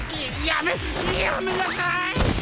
やめやめなさい！